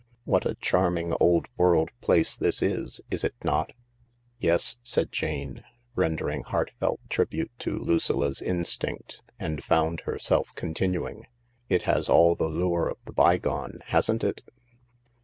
" What a charming old world place this is, is it not ?"" Yes," said Jane, rendering heartfelt tribute to Lucilla's 232 THE LARK instinct, and found herself continuing :" It has all the lure of the bygone, hasn't it